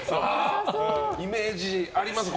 イメージありますね。